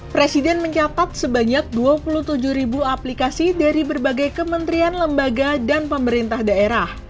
presiden mencatat sebanyak dua puluh tujuh ribu aplikasi dari berbagai kementerian lembaga dan pemerintah daerah